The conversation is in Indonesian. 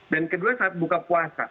kedua saat buka puasa